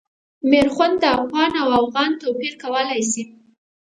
میرخوند د افغان او اوغان توپیر کولای شي.